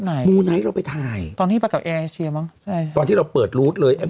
อันนี้เราไปถ่ายตอนที่เราไปช่วยมั้งใช่ครับตอนที่เราเปิดรูซเลยเอ๊ะ